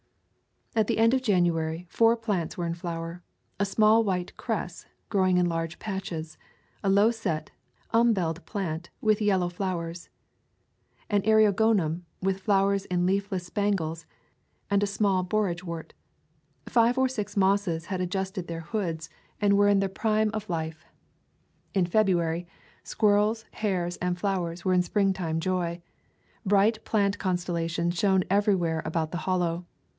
At the end of January, four plants were in flower: a small white cress, growing in large patches; a low set, umbeled plant, with yellow flowers; an eriogonum, with flowers in leafless spangles; and a small boragewort. Five or six mosses had adjusted their hoods, and were in [ 206 ] Twenty Hill Hollow the prime of life. In February, squirrels, hares, and flowers were in springtime joy. Bright plant constellations shone everywhere about the Hollow.